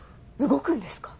動くんですか？